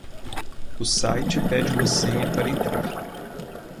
O site pede uma senha pra entrar.